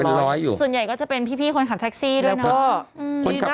ส่วนใหญ่ก็จะเป็นพี่คนขับแท็กซี่ด้วยเนาะ